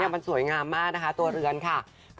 มันสวยงามมากนะคะตัวเรือนค่ะ